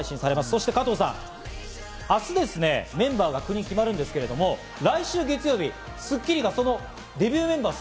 そして加藤さん、明日メンバーが９人決まるんですけど、来週月曜日、『スッキリ』がデビューメンバー